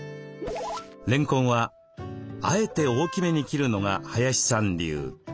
れんこんはあえて大きめに切るのが林さん流。